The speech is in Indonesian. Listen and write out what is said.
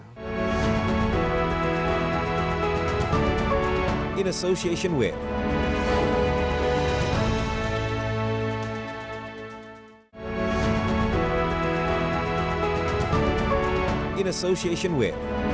sejujurnya kita harus membangun wisata